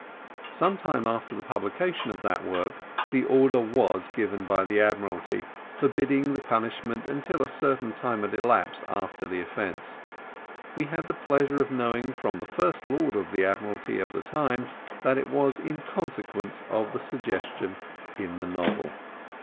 Some time after the publication of that work, the order was given by the Admiralty, forbidding the punishment until a certain time had elapsed after the offence; and we had the pleasure of knowing from the First Lord of the Admiralty of the time, that it was in consequence of the suggestion in the novel.